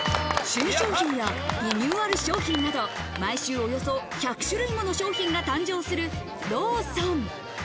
新商品やリニューアル商品など、毎週およそ１００種類もの商品が誕生するローソン。